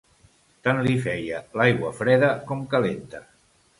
Tan li feia l'aigua freda, com calenta.